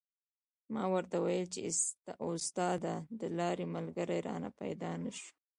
ما ورته و ویل چې استاده د لارې ملګری رانه پیدا نه شو.